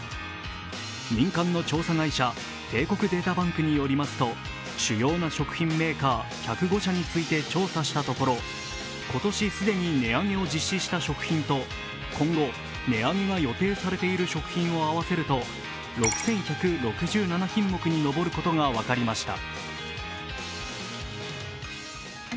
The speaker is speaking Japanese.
民間の調査会社、帝国データバンクによりますと、主要な食品メーカー１０５社について調査したところ、今年既に値上げを実施した食品と今後、値上げが予定されている食品を合わせると６１６７品目に上ることが分かりました。